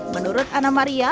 menurut ana maria